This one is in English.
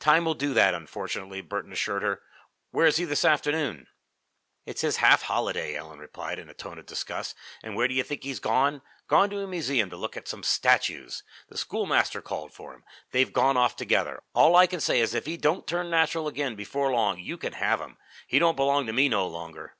"Time will do that, unfortunately," Burton assured her. "Where is he this afternoon? "It's his half holiday," Ellen replied, in a tone of disgust, "and where do you think he's gone? Gone to a museum to look at some statues! The schoolmaster called for him. They've gone off together. All I can say is that if he don't turn natural again before long, you can have him. He don't belong to me no longer."